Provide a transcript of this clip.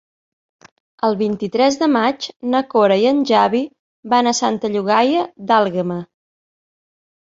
El vint-i-tres de maig na Cora i en Xavi van a Santa Llogaia d'Àlguema.